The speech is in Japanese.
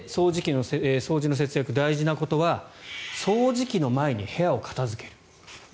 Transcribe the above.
掃除の節約、大事なことは掃除機の前に部屋を片付ける。